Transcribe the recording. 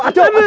aduh aduh aduh